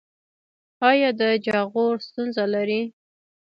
ایا د جاغور ستونزه لرئ؟